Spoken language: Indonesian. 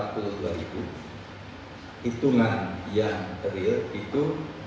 hitungan yang real itu satu ratus empat belas